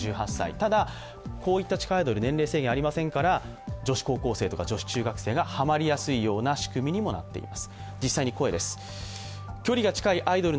ただ、こういった地下アイドルは年齢制限がありませんから、女子高校生、女子中学生が、はまりやすい仕組みにもなっています。